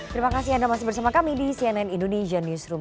terima kasih anda masih bersama kami di cnn indonesia newsroom